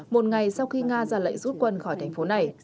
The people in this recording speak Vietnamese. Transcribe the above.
một ngày sau khi nga ra lệnh rút quân khỏi thành phố này